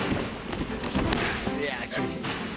いや厳しい。